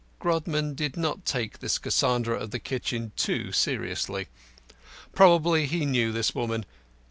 Grodman did not take this Cassandra of the kitchen too seriously. Probably he knew his woman.